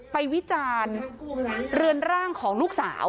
วิจารณ์เรือนร่างของลูกสาว